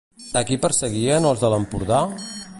A qui perseguien els de l'Empordà?